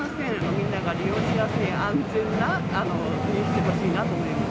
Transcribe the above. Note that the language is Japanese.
みんなが利用しやすい、安全にしてほしいなと思います。